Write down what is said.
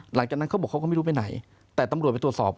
หลังจากนั้นเขาบอกเขาก็ไม่รู้ไปไหนแต่ตำรวจไปตรวจสอบ